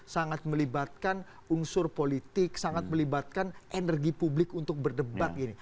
sangat melibatkan unsur politik sangat melibatkan energi publik untuk berdebat gini